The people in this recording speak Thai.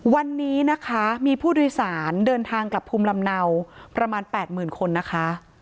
วันนี้นะคะมีผู้โดยสารเดินทางกลับภูมิลำเนาประมาณ๘๐๐๐คนนะคะ